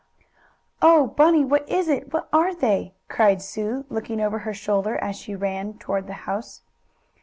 "Oh, Bunny! What is it? What are they?" cried Sue, looking over her shoulder as she ran toward the house.